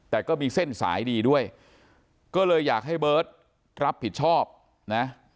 แต่ก็มีเส้นสายดีด้วยก็เลยอยากให้เบิร์ตรับผิดชอบนะ